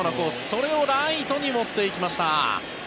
それをライトに持っていきました。